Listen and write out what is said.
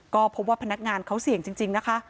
ก็พบว่าพนักงานเขาเสี่ยงจริงนะคะ